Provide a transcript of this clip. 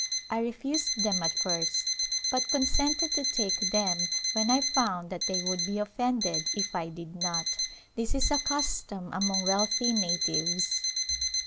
I refused them at first but consented to take them when I found that they would be offended if I did not. This is a custom among wealthy natives.